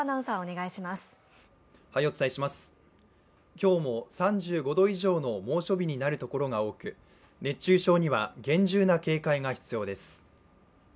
今日も３５度以上の猛暑日になるところが多く熱中症には厳重な警戒が必要です。